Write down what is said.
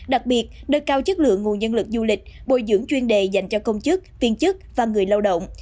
đặc biệt đợt cao chất lượng nguồn nhân lực du lịch bồi dưỡng chuyên đề dành cho công chức viên chức và người lao động